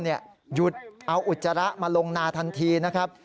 หยุดเอาอุจจาระมาลงนาทันทีนะครับ